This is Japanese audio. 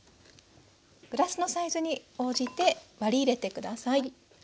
グラスのサイズに応じて割り入れて下さい。